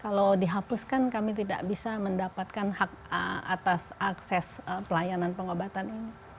kalau dihapuskan kami tidak bisa mendapatkan hak atas akses pelayanan pengobatan ini